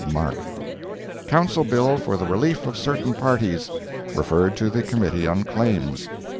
—MARK.] Council bill for the relief of certain parties. Referred to the Committee on Claims.